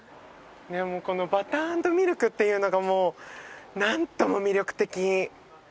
このバター＆ミルクっていうのがもう何とも魅力的。